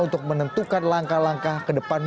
untuk menentukan langkah langkah ke depan